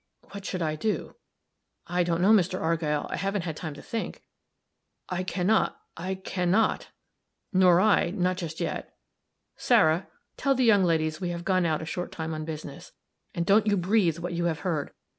"What shall I do?" "I don't know, Mr. Argyll. I haven't had time to think." "I can not I can not " "Nor I not just yet. Sarah, tell the young ladies we have gone out a short time on business and don't you breathe what you have heard.